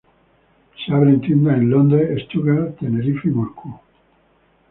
Se abren tiendas en Londres, Stuttgart, Tenerife y Moscú.